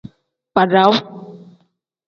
Badawu.